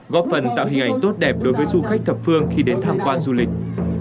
góp phần tạo hình ảnh tốt đẹp đối với du khách thập phương khi đến tham quan du lịch